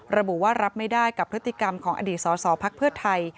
ระบุว่ารับไม่ได้กับพฤติกรรมของอดีตสสพักเพื่อไทย